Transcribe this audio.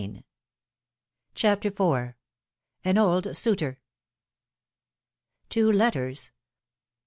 47 CHAPTER IV, AN OLD SUITOR. WO letters